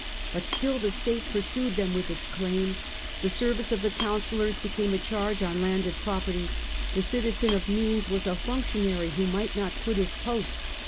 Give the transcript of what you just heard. But still the state pursued them with its claims ; the service of the councillors became a charge on landed property, the citizen of means was a functionary who might not quit his post.